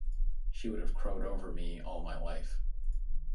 She would have crowed over me all my life.